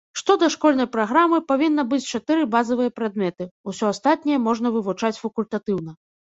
Што да школьнай праграмы, павінна быць чатыры базавыя прадметы, усё астатняе можна вывучаць факультатыўна.